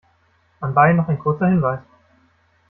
Anbei noch ein kurzer Hinweis.